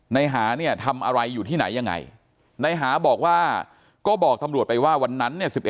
หาเนี่ยทำอะไรอยู่ที่ไหนยังไงในหาบอกว่าก็บอกตำรวจไปว่าวันนั้นเนี่ย๑๑